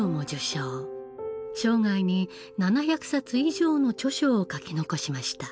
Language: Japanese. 生涯に７００冊以上の著書を書き残しました。